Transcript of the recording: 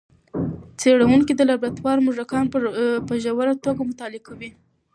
څېړونکي د لابراتوار موږکان په ژوره توګه مطالعه کوي.